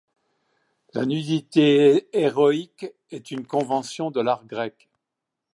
La nudité héroïque est une convention de l’art grec.